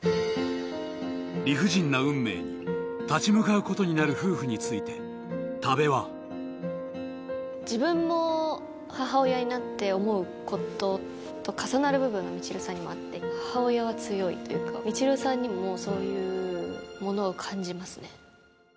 理不尽な運命に立ち向かうことになる夫婦について多部は自分も母親になって思うことと重なる部分が未知留さんにもあって母親は強いというか未知留さんにもそういうものを感じますね